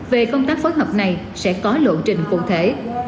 về công tác phối hợp này sẽ có lộ trình cụ thể